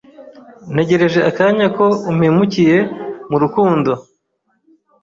Ntegereje akanya ko umpemukiye murukundo